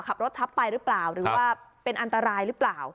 ขับรถทับไปหรือเปล่าหรือว่าเป็นอันตรายหรือเปล่า